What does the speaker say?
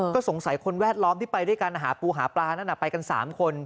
ก็สงสัยคนแวดล้อมที่ไปด้วยกันหาปูหาปลานั่นไปกัน๓คน